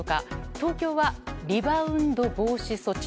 東京はリバウンド防止措置